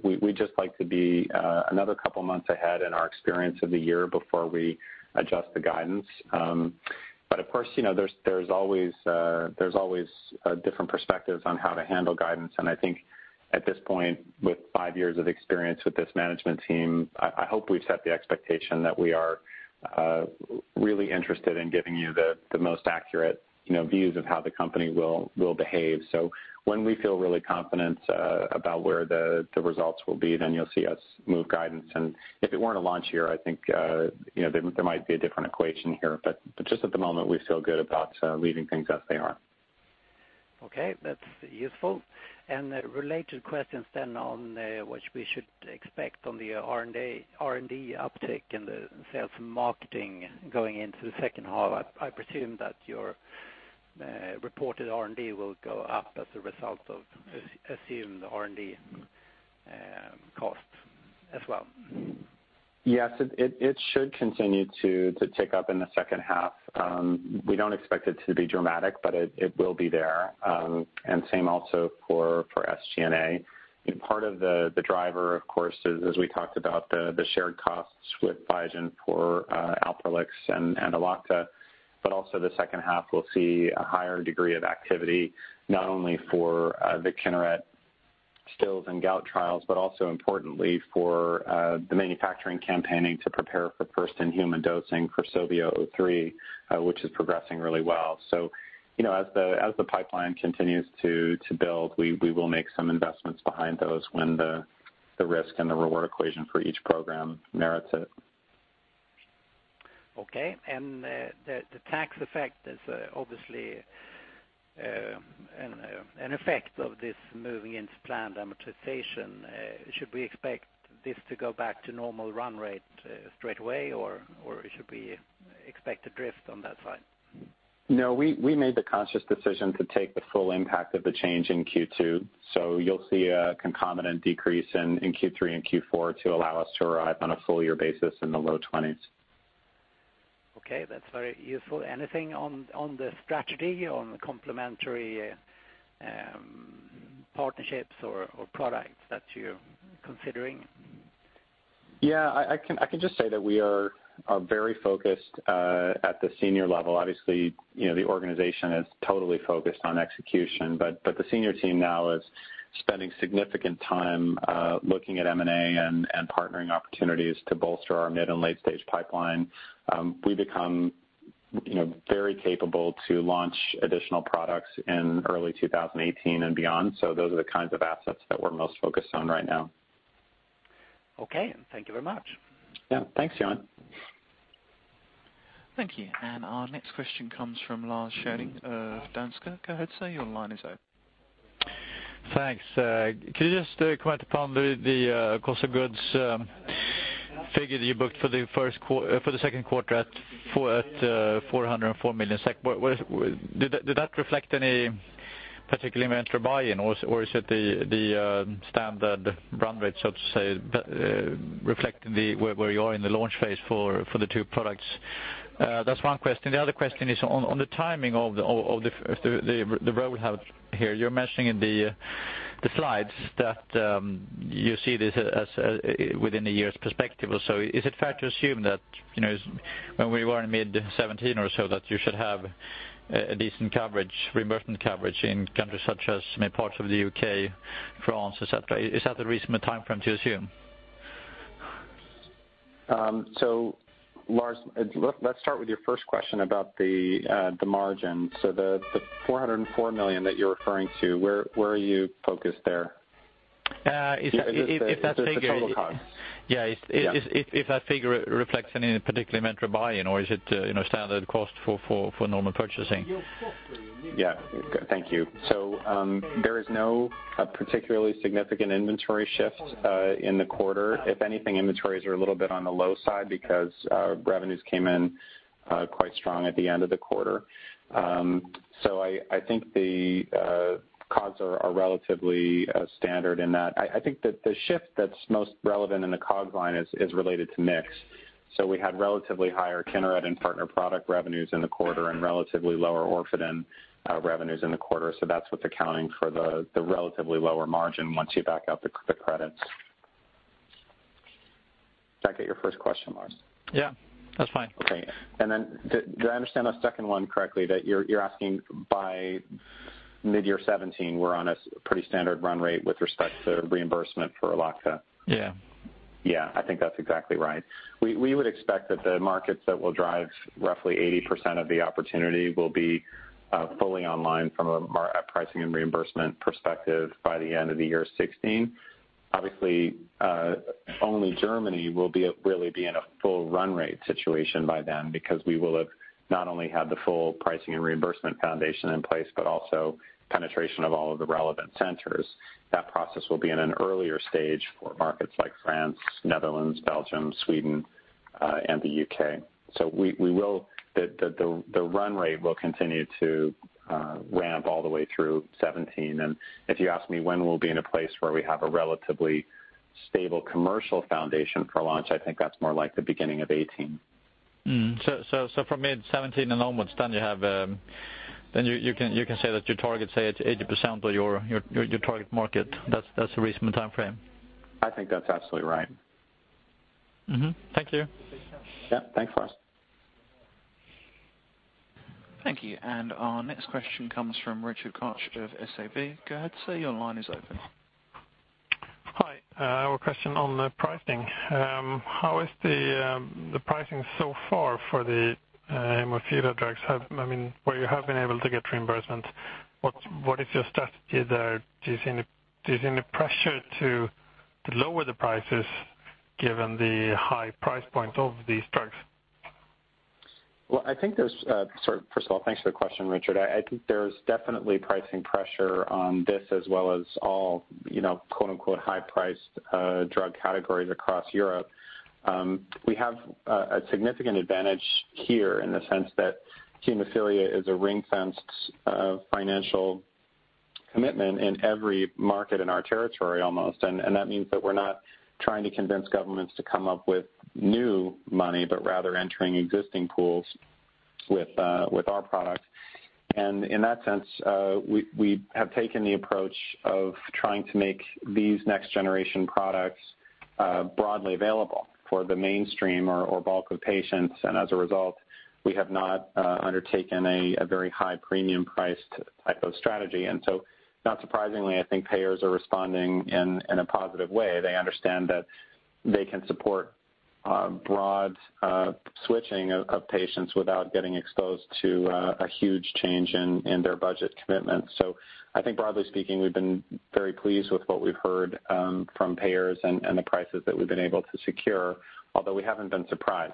We'd just like to be another couple of months ahead in our experience of the year before we adjust the guidance. Of course, there's always different perspectives on how to handle guidance, and I think at this point, with five years of experience with this management team, I hope we've set the expectation that we are really interested in giving you the most accurate views of how the company will behave. When we feel really confident about where the results will be, then you'll see us move guidance. If it weren't a launch year, I think there might be a different equation here. Just at the moment, we feel good about leaving things as they are. Okay. That's useful. A related question then on what we should expect on the R&D uptick and the sales and marketing going into the second half. I presume that your reported R&D will go up as a result of assumed R&D cost as well. Yes, it should continue to tick up in the second half. We don't expect it to be dramatic, but it will be there. Same also for SG&A. Part of the driver, of course, is as we talked about, the shared costs with Biogen for Alprolix and Elocta, but also the second half will see a higher degree of activity, not only for the Kineret Still's and gout trials, but also importantly for the manufacturing campaigning to prepare for first in-human dosing for SOBI003, which is progressing really well. As the pipeline continues to build, we will make some investments behind those when the risk and the reward equation for each program merits it. Okay. The tax effect is obviously an effect of this moving into planned amortization. Should we expect this to go back to normal run rate straight away, or should we expect a drift on that side? We made the conscious decision to take the full impact of the change in Q2, so you'll see a concomitant decrease in Q3 and Q4 to allow us to arrive on a full year basis in the low 20s. That's very useful. Anything on the strategy on complementary partnerships or products that you're considering? I can just say that we are very focused at the senior level. The organization is totally focused on execution, but the senior team now is spending significant time looking at M&A and partnering opportunities to bolster our mid- and late-stage pipeline. We've become very capable to launch additional products in early 2018 and beyond. Those are the kinds of assets that we're most focused on right now. Thank you very much. Yeah, thanks, Johan. Thank you. Our next question comes from Lars Scheving of Danske. Go ahead, sir, your line is open. Thanks. Could you just comment upon the cost of goods figure that you booked for the second quarter at 404 million? Did that reflect any particular inventory buy-in, or is it the standard run rate, so to say, reflecting where you are in the launch phase for the two products? That's one question. The other question is on the timing of the road map here. You're mentioning in the slides that you see this as within a year's perspective or so. Is it fair to assume that, when we were in mid 2017 or so, that you should have a decent coverage, reimbursement coverage in countries such as parts of the U.K., France, et cetera? Is that a reasonable timeframe to assume? Lars, let's start with your first question about the margin. The 404 million that you're referring to, where are you focused there? If that figure- Is this the total cost? Yeah. Yeah. If that figure reflects any particular inventory buy-in or is it standard cost for normal purchasing? Yeah. Thank you. There is no particularly significant inventory shift in the quarter. If anything, inventories are a little bit on the low side because our revenues came in quite strong at the end of the quarter. I think the costs are relatively standard in that I think that the shift that's most relevant in the COGS line is related to mix. We had relatively higher Kineret and partner product revenues in the quarter and relatively lower orphan revenues in the quarter. That's what's accounting for the relatively lower margin once you back out the credits. Did I get your first question, Lars? Yeah. That's fine. Did I understand that second one correctly that you're asking by mid-year 2017, we're on a pretty standard run rate with respect to reimbursement for Elocta? Yeah. Yeah, I think that's exactly right. We would expect that the markets that will drive roughly 80% of the opportunity will be fully online from a pricing and reimbursement perspective by the end of the year 2016. Obviously, only Germany will really be in a full run rate situation by then because we will have not only had the full pricing and reimbursement foundation in place, but also penetration of all of the relevant centers. That process will be in an earlier stage for markets like France, Netherlands, Belgium, Sweden, and the U.K. The run rate will continue to ramp all the way through 2017. If you ask me when we'll be in a place where we have a relatively stable commercial foundation for launch, I think that's more like the beginning of 2018. For mid 2017 and onwards you can say that your target, say it's 80% of your target market. That's a reasonable timeframe? I think that's absolutely right. Mm-hmm. Thank you. Yeah, thanks, Lars. Thank you. Our next question comes from Richard Kärr of Sobi. Go ahead, sir, your line is open. Hi. Our question on the pricing. How is the pricing so far for the hemophilia drugs? Where you have been able to get reimbursement, what is your strategy there? Do you see any pressure to lower the prices given the high price points of these drugs? Well, first of all, thanks for the question, Richard. I think there's definitely pricing pressure on this as well as all "high-priced" drug categories across Europe. We have a significant advantage here in the sense that hemophilia is a ring-fenced financial commitment in every market in our territory, almost. That means that we're not trying to convince governments to come up with new money, but rather entering existing pools with our product. In that sense, we have taken the approach of trying to make these next generation products broadly available for the mainstream or bulk of patients. As a result, we have not undertaken a very high premium priced type of strategy. Not surprisingly, I think payers are responding in a positive way. They understand that they can support broad switching of patients without getting exposed to a huge change in their budget commitment. I think broadly speaking, we've been very pleased with what we've heard from payers and the prices that we've been able to secure, although we haven't been surprised.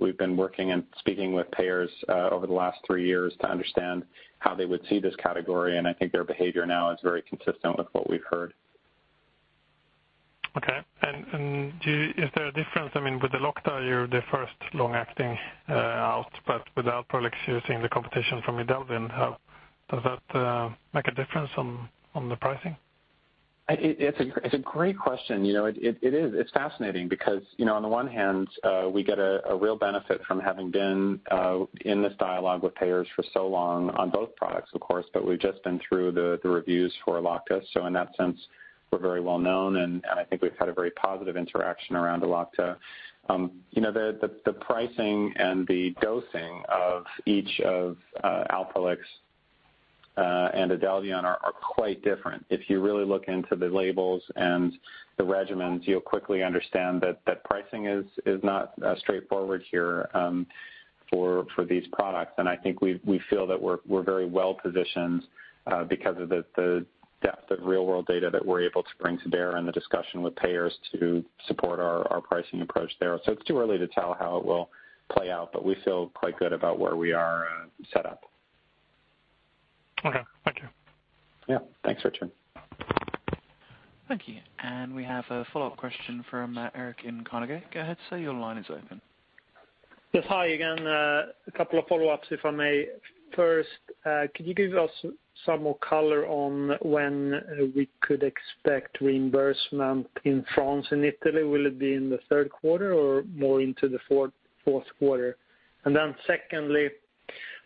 We've been working and speaking with payers over the last three years to understand how they would see this category, and I think their behavior now is very consistent with what we've heard. Okay. Is there a difference? With Elocta, you're the first long-acting out, but with Alprolix, you're seeing the competition from Idelvion. Does that make a difference on the pricing? It's a great question. It is fascinating because, on the one hand, we get a real benefit from having been in this dialogue with payers for so long on both products, of course, but we've just been through the reviews for Elocta. In that sense, we're very well-known, and I think we've had a very positive interaction around Elocta. The pricing and the dosing of each of Alprolix and ADYNOVATE are quite different. If you really look into the labels and the regimens, you'll quickly understand that pricing is not straightforward here for these products. I think we feel that we're very well-positioned because of the depth of real-world data that we're able to bring to bear in the discussion with payers to support our pricing approach there. It's too early to tell how it will play out, but we feel quite good about where we are set up. Okay. Thank you. Yeah. Thanks, Richard. Thank you. We have a follow-up question from Erik in Carnegie. Go ahead, sir, your line is open. Yes, hi again. A couple of follow-ups, if I may. First, could you give us some more color on when we could expect reimbursement in France and Italy? Will it be in the third quarter or more into the fourth quarter? Secondly,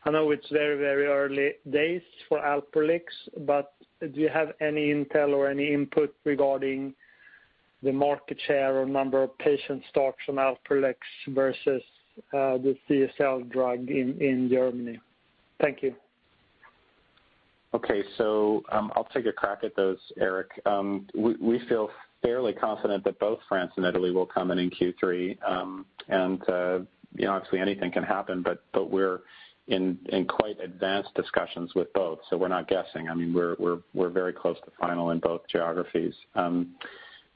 I know it's very early days for Alprolix, but do you have any intel or any input regarding the market share or number of patient starts from Alprolix versus the CSL drug in Germany? Thank you. Okay. I'll take a crack at those, Erik. We feel fairly confident that both France and Italy will come in in Q3. Obviously anything can happen, but we're in quite advanced discussions with both, so we're not guessing. We're very close to final in both geographies.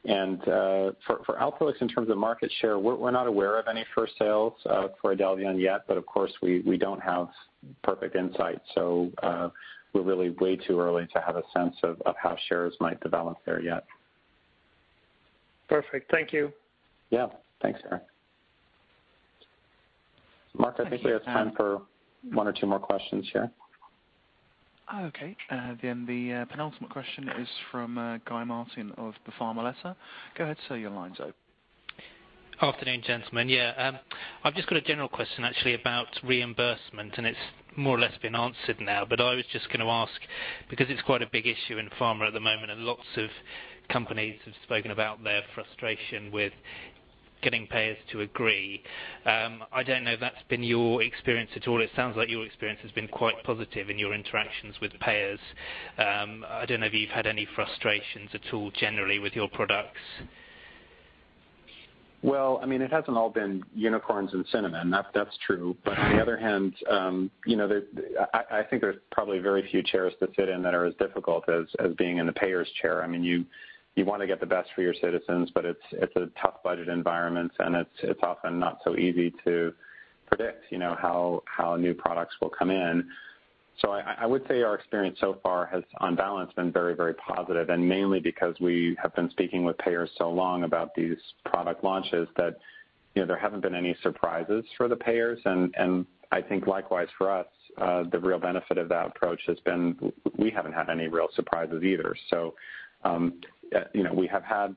For Alprolix, in terms of market share, we're not aware of any first sales for Idelvion yet, but of course, we don't have perfect insight, so we're really way too early to have a sense of how shares might develop there yet. Perfect. Thank you. Yeah. Thanks, Erik. Mark, I think we have time for one or two more questions here. The penultimate question is from Guy Martin of The Pharma Letter. Go ahead, sir, your line's open. Afternoon, gentlemen. Yeah. I've just got a general question actually about reimbursement, and it's more or less been answered now, but I was just going to ask because it's quite a big issue in pharma at the moment, and lots of companies have spoken about their frustration with getting payers to agree. I don't know if that's been your experience at all. It sounds like your experience has been quite positive in your interactions with payers. I don't know if you've had any frustrations at all generally with your products. Well, it hasn't all been unicorns and cinnamon. That's true. On the other hand, I think there's probably very few chairs to sit in that are as difficult as being in the payer's chair. You want to get the best for your citizens, but it's a tough budget environment, and it's often not so easy to predict how new products will come in. I would say our experience so far has, on balance, been very positive, and mainly because we have been speaking with payers so long about these product launches that there haven't been any surprises for the payers, and I think likewise for us. The real benefit of that approach has been we haven't had any real surprises either. We have had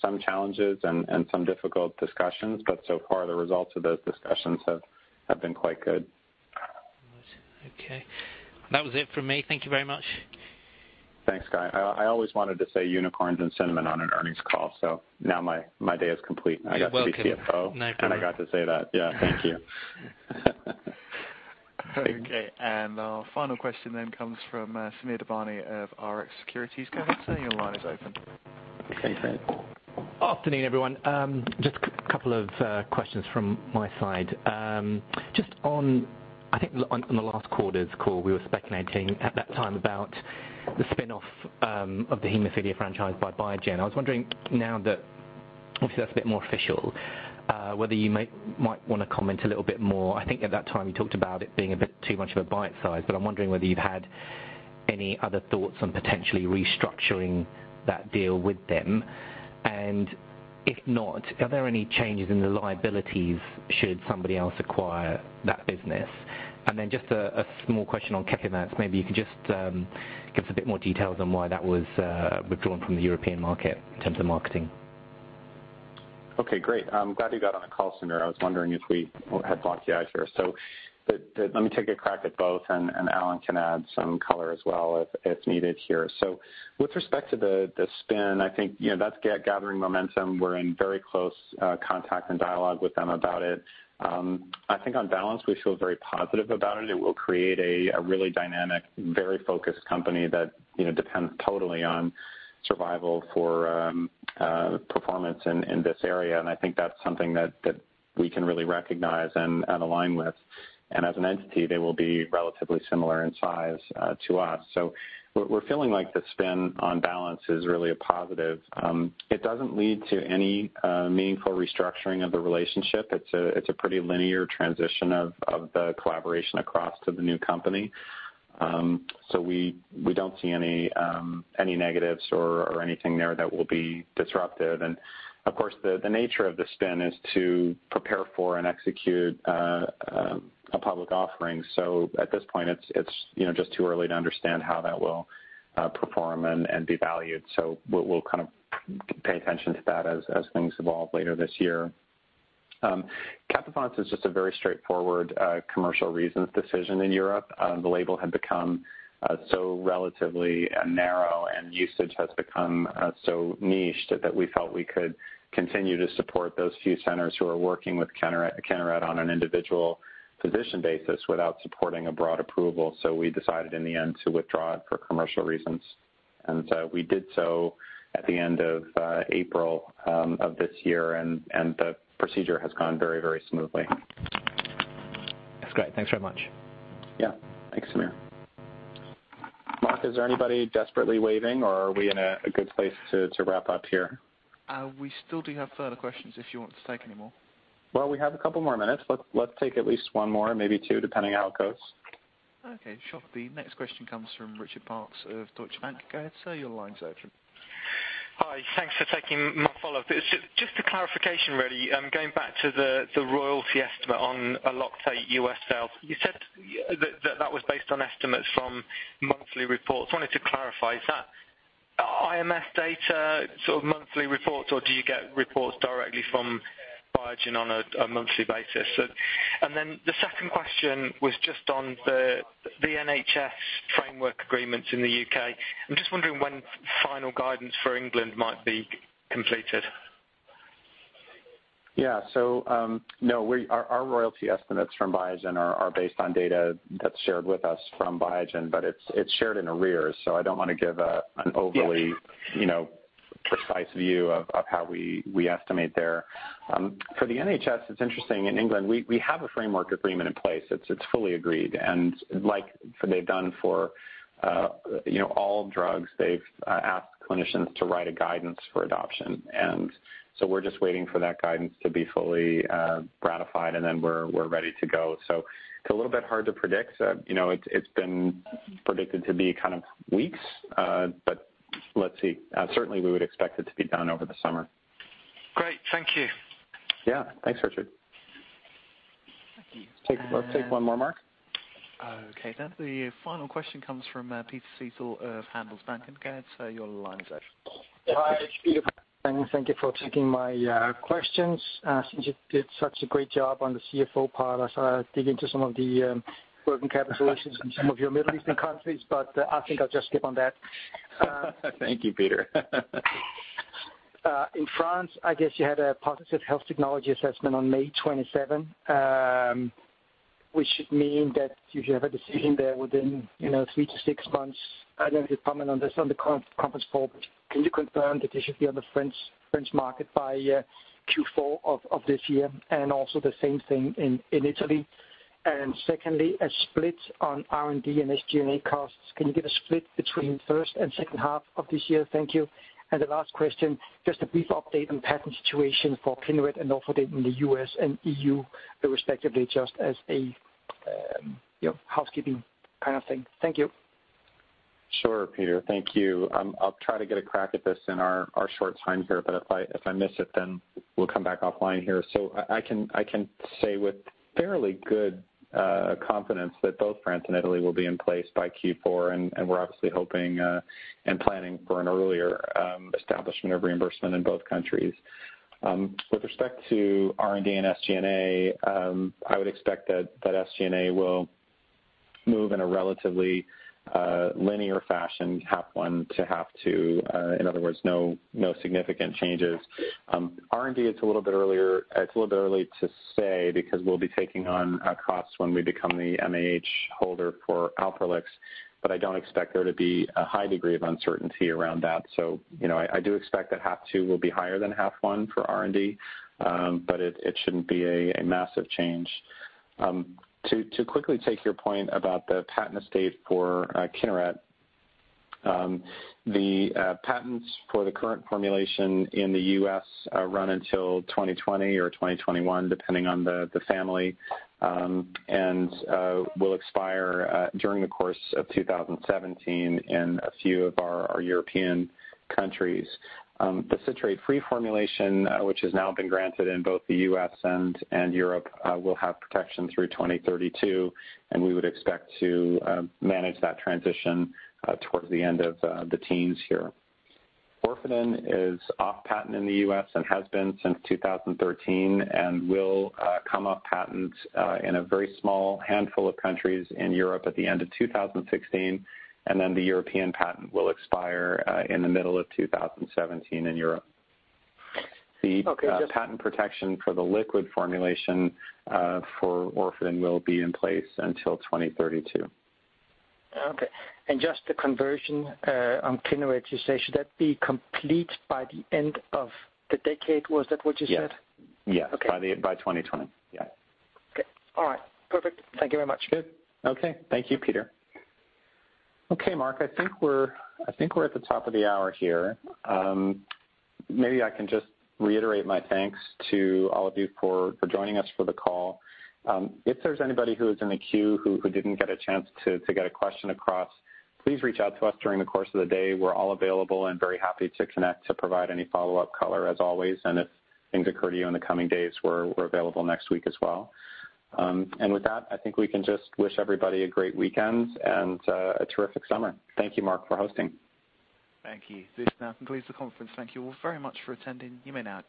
some challenges and some difficult discussions, but so far, the results of those discussions have been quite good. Okay. That was it from me. Thank you very much. Thanks, Guy. I always wanted to say unicorns and cinnamon on an earnings call, now my day is complete. You're welcome. I got to be CFO, I got to say that. Yeah. Thank you. Okay. Our final question comes from Sameer Badiani of RX Securities. Go ahead, sir, your line is open. Okay, thanks. Afternoon, everyone. Just a couple of questions from my side. I think on the last quarter's call, we were speculating at that time about the spin-off of the hemophilia franchise by Biogen. I was wondering now that, obviously, that's a bit more official, whether you might want to comment a little bit more. I think at that time you talked about it being a bit too much of a bite size, but I'm wondering whether you've had any other thoughts on potentially restructuring that deal with them. If not, are there any changes in the liabilities should somebody else acquire that business? Just a small question on Kepivance. Maybe you could just give us a bit more details on why that was withdrawn from the European market in terms of marketing. Okay, great. I'm glad you got on the call, Sameer. I was wondering if we had lost you out here. Let me take a crack at both, and Alan can add some color as well if needed here. With respect to the spin, I think that's gathering momentum. We're in very close contact and dialogue with them about it. I think on balance, we feel very positive about it. It will create a really dynamic, very focused company that depends totally on survival for performance in this area, and I think that's something that we can really recognize and align with. As an entity, they will be relatively similar in size to us. We're feeling like the spin on balance is really a positive. It doesn't lead to any meaningful restructuring of the relationship. It's a pretty linear transition of the collaboration across to the new company. We don't see any negatives or anything there that will be disruptive. Of course, the nature of the spin is to prepare for and execute a public offering. At this point, it's just too early to understand how that will perform and be valued. We'll pay attention to that as things evolve later this year. Kepivance is just a very straightforward commercial reasons decision in Europe. The label had become so relatively narrow and usage has become so niched that we felt we could continue to support those few centers who are working with Kineret on an individual physician basis without supporting a broad approval. We decided in the end to withdraw it for commercial reasons. We did so at the end of April of this year and the procedure has gone very smoothly. That's great. Thanks very much. Yeah. Thanks, Sameer. Mark, is there anybody desperately waving or are we in a good place to wrap up here? We still do have further questions if you want to take any more. Well, we have a couple more minutes. Let's take at least one more, maybe two, depending how it goes. Okay, sure. The next question comes from Richard Parkes of Deutsche Bank. Go ahead, sir, your line's open. Hi. Thanks for taking my follow-up. Just a clarification really. Going back to the royalty estimate on ELOCTATE U.S. sales. You said that was based on estimates from monthly reports. Wanted to clarify, is that IMS data sort of monthly reports or do you get reports directly from Biogen on a monthly basis? The second question was just on the NHS framework agreements in the U.K. I'm just wondering when final guidance for England might be completed. Yeah. No, our royalty estimates from Biogen are based on data that's shared with us from Biogen, but it's shared in arrears, I don't want to give an overly. Yeah precise view of how we estimate there. For the NHS, it's interesting in England, we have a framework agreement in place. It's fully agreed. Like they've done for all drugs, they've asked clinicians to write a guidance for adoption. We're just waiting for that guidance to be fully ratified and then we're ready to go. It's a little bit hard to predict. It's been predicted to be kind of weeks. Let's see. Certainly, we would expect it to be done over the summer. Great. Thank you. Yeah. Thanks, Richard. Thank you. Let's take one more, Mark. The final question comes from Peter Järrup of Handelsbanken. Go ahead, sir, your line is open. Hi, Peter. Thank you for taking my questions. Since you did such a great job on the CFO part, I thought I'd dig into some of the working capital solutions in some of your Middle Eastern countries, but I think I'll just skip on that. Thank you, Peter. In France, I guess you had a positive health technology assessment on May 27, which should mean that you should have a decision there within three to six months. I know you're prominent on this on the conference call, can you confirm that you should be on the French market by Q4 of this year and also the same thing in Italy? Secondly, a split on R&D and SG&A costs. Can you give a split between first and second half of this year? Thank you. The last question, just a brief update on patent situation for Kineret and Orfadin in the U.S. and EU respectively, just as a housekeeping kind of thing. Thank you. Sure, Peter. Thank you. I'll try to get a crack at this in our short time here, if I miss it, we'll come back offline here. I can say with fairly good confidence that both France and Italy will be in place by Q4 and we're obviously hoping and planning for an earlier establishment of reimbursement in both countries. With respect to R&D and SG&A, I would expect that SG&A will move in a relatively linear fashion, half one to half two. In other words, no significant changes. R&D, it's a little bit early to say because we'll be taking on costs when we become the MAH holder for Alprolix, I don't expect there to be a high degree of uncertainty around that. I do expect that half two will be higher than half one for R&D, it shouldn't be a massive change. To quickly take your point about the patent estate for Kineret. The patents for the current formulation in the U.S. run until 2020 or 2021, depending on the family, and will expire during the course of 2017 in a few of our European countries. The citrate-free formulation, which has now been granted in both the U.S. and Europe, will have protection through 2032, and we would expect to manage that transition towards the end of the teens here. Orfadin is off patent in the U.S. and has been since 2013 and will come off patent in a very small handful of countries in Europe at the end of 2016, the European patent will expire in the middle of 2017 in Europe. Okay, just- The patent protection for the liquid formulation for Orfadin will be in place until 2032. Okay. Just the conversion on Kineret, you say should that be complete by the end of the decade, was that what you said? Yes. Okay. By 2020. Yeah. Okay. All right. Perfect. Thank you very much. Good. Okay. Thank you, Peter. Okay, Mark, I think we're at the top of the hour here. Maybe I can just reiterate my thanks to all of you for joining us for the call. If there's anybody who is in the queue who didn't get a chance to get a question across, please reach out to us during the course of the day. We're all available and very happy to connect to provide any follow-up color as always. If things occur to you in the coming days, we're available next week as well. With that, I think we can just wish everybody a great weekend and a terrific summer. Thank you, Mark, for hosting. Thank you. This now concludes the conference. Thank you all very much for attending. You may now disconnect.